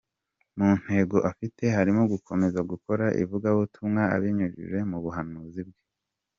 Mu ntego afite harimo gukomeza gukora ivugabutumwa abinyujije mu buhanzi bwe.